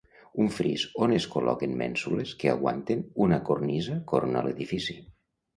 Un fris on es col·loquen mènsules que aguanten una cornisa corona l'edifici.